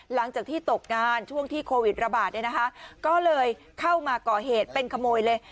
หลังจากที่ตกงานช่วงที่โควิดระบาดเนี่ยนะคะก็เลยเข้ามาก่อเหตุเป็นขโมยเลย